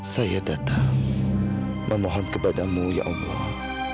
saya datang memohon kepadamu ya allah